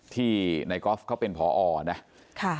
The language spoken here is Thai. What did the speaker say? ที่นายกอล์ฟเขาเป็นพอนะ